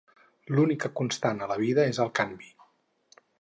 L'única constant a la vida és el canvi